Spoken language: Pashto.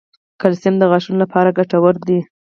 کلسیم د غاښونو لپاره ګټور دی